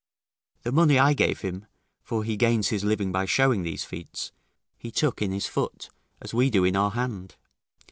The money I gave him for he gains his living by shewing these feats he took in his foot, as we do in our hand.